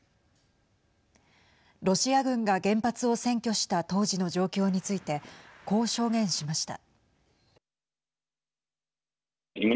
ロシア軍が原発を占拠した当時の状況についてこう証言しました。